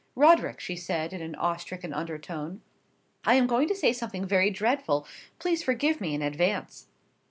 "Roderick," she said in an awe stricken undertone, "I am going to say something very dreadful. Please forgive me in advance."